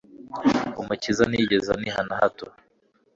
Umukiza ntiyigeze aniha na hato.